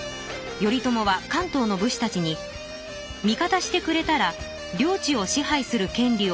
頼朝は関東の武士たちに味方してくれたら領地を支配するけん